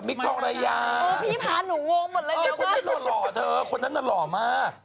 ไม่ใช่ไม้คนละไม้